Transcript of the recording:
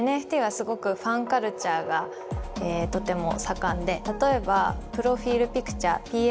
ＮＦＴはすごくファンカルチャーがとても盛んで例えばプロフィールピクチャー